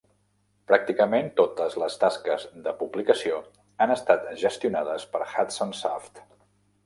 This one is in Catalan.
Pràcticament totes les tasques de publicació han estat gestionades per Hudson Soft.